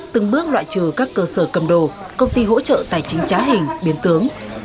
từng bước loại trừ các cơ sở cầm đồ công ty hỗ trợ tài chính trá hình biến tướng